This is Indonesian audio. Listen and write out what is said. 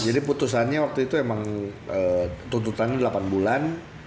jadi putusannya waktu itu emang tuntutannya delapan bulan